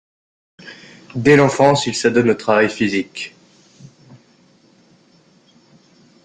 Dès l'enfance, il s'adonne au travail physique.